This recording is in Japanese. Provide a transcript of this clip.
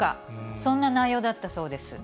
そんな内容だったそうです。